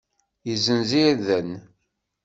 Yezzenz irden.